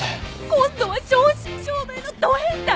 今度は正真正銘のど変態！